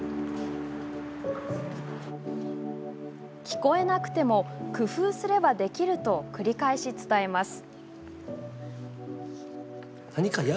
聞こえなくても工夫すればできると繰り返し伝えます。